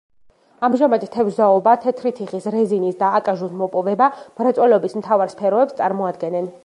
ამჟამად, თევზაობა, თეთრი თიხის, რეზინის და აკაჟუს მოპოვება მრეწველობის მთავარ სფეროებს წარმოადგენენ.